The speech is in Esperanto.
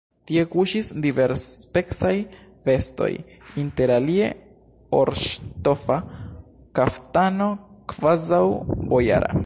Tie kuŝis diversspecaj vestoj, interalie orŝtofa kaftano, kvazaŭ bojara.